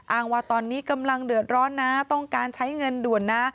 อ้างว่าตอนนี้กำลังเดือดร้อนนะต้องการใช้เงินด่วนนะ